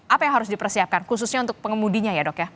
apa yang harus dipersiapkan khususnya untuk pengemudinya ya dok ya